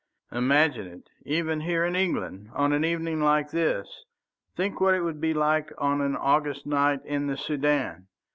Imagine it, even here in England, on an evening like this! Think what it would be on an August night in the Soudan!